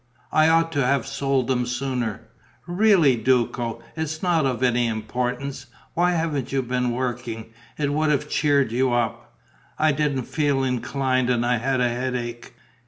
I ought to have sold them sooner. Really, Duco, it's not of any importance. Why haven't you been working? It would have cheered you up." "I didn't feel inclined and I had a headache."